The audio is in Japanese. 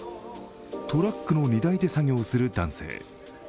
トラックの荷台で作業する男性。